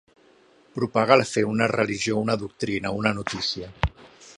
Propagar la fe, una religió, una doctrina, una notícia.